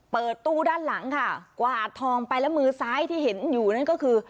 เปิดตู้ด้านหลังค่ะกวาดทองไปแล้วมือซ้ายที่เห็นอยู่นั่นก็คือ